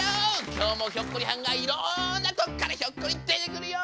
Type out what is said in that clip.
今日もひょっこりはんがいろんなとこからひょっこり出てくるよ！